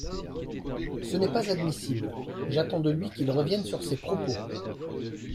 Ce n’est pas admissible ; j’attends de lui qu’il revienne sur ses propos.